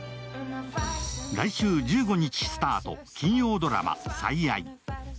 来週１５日スタート、金曜ドラマ「最愛」。